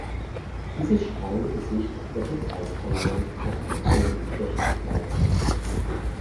Dieses strahlende Gesicht wird den Preisverleihern noch eine Weile im Gedächtnis bleiben.